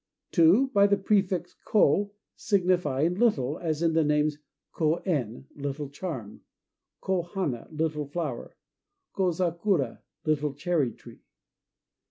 (2) By the prefix Ko, signifying "Little"; as in the names, Ko en, "Little Charm"; Ko hana, "Little Flower"; Kozakura, "Little Cherry Tree".